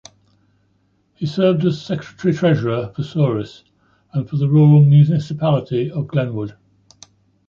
He served as secretary-treasurer for Souris and for the Rural Municipality of Glenwood.